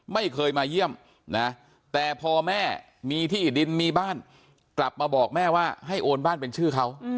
ไม่เคยมาเยี่ยมนะแต่พอแม่มีที่ดินมีบ้านกลับมาบอกแม่ว่าให้โอนบ้านเป็นชื่อเขา